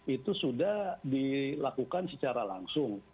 itu sudah dilakukan secara langsung